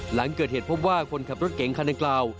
หลังเกิดเหตุพบว่าคนขับรถเก๋งคันดังกล่าว